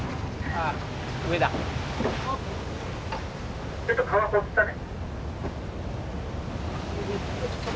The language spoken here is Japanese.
ちょっと皮こすったね。